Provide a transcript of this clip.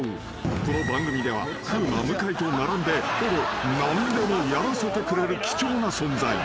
［この番組では風磨向井と並んでほぼ何でもやらせてくれる貴重な存在］